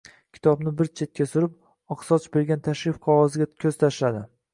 Kitobni bir chetga surib, oqsoch bergan tashrif qog`oziga ko`z tashladi